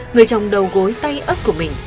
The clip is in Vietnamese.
người chồng đầu gối tay ớt của minh